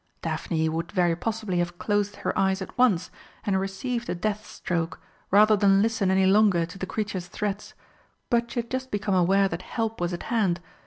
Daphne would very possibly have closed her eyes at once and received the death stroke rather than listen any longer to the creature's threats, but she had just become aware that help was at hand.